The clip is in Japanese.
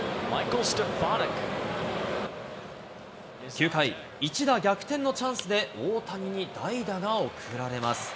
９回、一打逆転のチャンスで、大谷に代打が送られます。